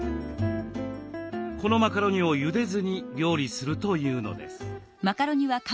このマカロニをゆでずに料理するというのです。